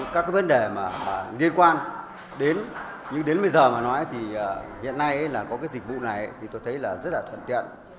các vấn đề liên quan đến nhưng đến bây giờ mà nói thì hiện nay có dịch vụ này tôi thấy rất là thuận tiện